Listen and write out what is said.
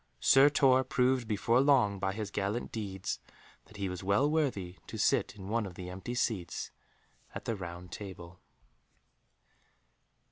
Sir Tor proved before long by his gallant deeds that he was well worthy to sit in one of the empty seats at the Round Table.